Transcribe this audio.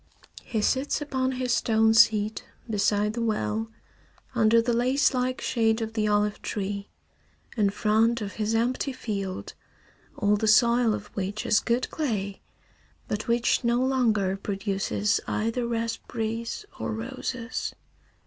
He sits upon his stone seat beside the well, under the lace like shade of the olive tree, in front of his empty field, all the soil of which is good clay but which no longer produces either raspberries or roses.